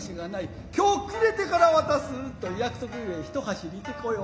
きょう暮れてから渡すと言う約束ゆえ一ト走り行てこよう。